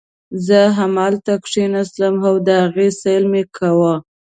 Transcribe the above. زه همالته کښېناستم او د هغې سیل مې کاوه.